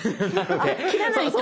あっ切らないと。